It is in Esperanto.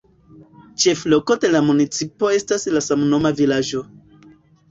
Ĉefloko de la municipo estas la samnoma vilaĝo.